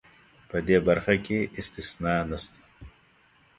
په دې برخه کې استثنا نشته.